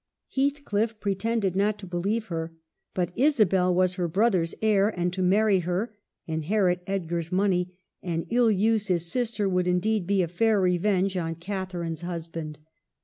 Heathcliff pretended not to believe her, but Isabel was her brother's heir, and to marry her, inherit Edgar's money, and ill use his sister, would, indeed, be a fair revenge on Catharine's husband.